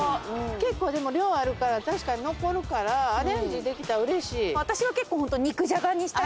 結構量あるから確かに残るからアレンジできたらうれしい。